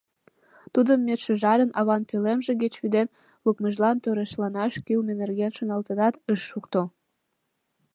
Тудым медшӱжарын аван пӧлемже гыч вӱден лукмыжлан торешланаш кӱлмӧ нерген шоналтенат ыш шукто.